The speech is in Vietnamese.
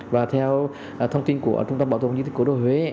và theo thông tin của trung tâm bảo tồn di tích cố đô huế